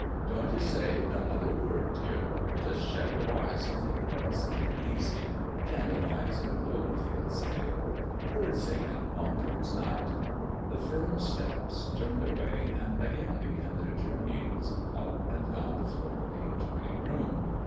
Do'n't you say another word, dear, but just shut your eyes and think about something easy, dandelions in a cloverfield, say, or birds singin' 'long towards night." The firm steps turned away and again began their journeyings up and down the floor of the adjoining room.